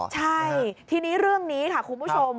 ใช่ทีนี้เรื่องนี้ค่ะคุณผู้ชม